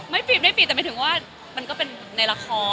ไม่ปิดไม่ปิดแต่มันก็เป็นในละคร